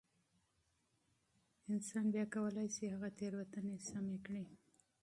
انسان بيا کولای شي هغه تېروتنې سمې کړي.